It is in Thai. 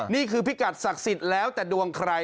พิกัดศักดิ์สิทธิ์แล้วแต่ดวงใคร